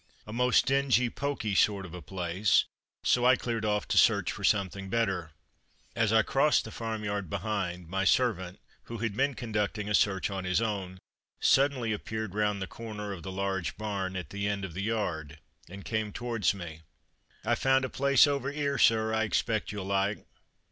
A most dingy, poky sort of a place, so I cleared off to search for something better. As I crossed the farmyard behind, my servant, who had been conducting a search on his own, suddenly appeared round the corner of the large barn at the end of the yard, and came towards me. "I've found a place over 'ere, Sir, I expect you'll like."